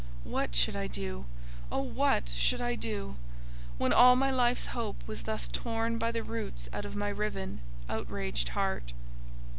What should I do; oh! what should I do; when all my life's hope was thus torn by the roots out of my riven, outraged heart?